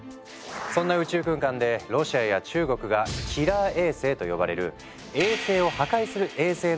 そんな宇宙空間でロシアや中国が「キラー衛星」と呼ばれる衛星を破壊する衛星の研究を進めているんだとか。